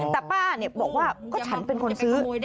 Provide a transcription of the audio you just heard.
แต่ป้าบอกว่าก็ฉันเป็นคนซื้อ